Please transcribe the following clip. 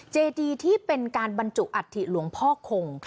เจดีที่เป็นการบรรจุอัฐิหลวงพ่อคง